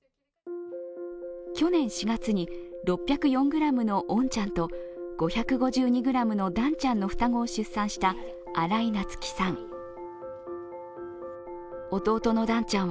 去年４月に６０４ｇの穏ちゃんと５５２ｇの暖ちゃんの双子を出産した荒井夏季さん。